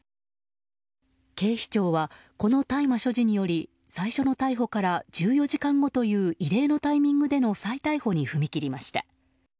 警視庁は、この大麻所持により最初の逮捕から１４時間ごという異例のタイミングでの再逮捕に踏み切りました。